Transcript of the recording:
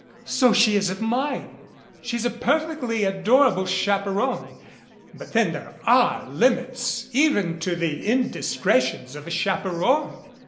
"So she is of mine. She's a perfectly adorable chap eron but then there are limits even to the indiscretions of a chaperon."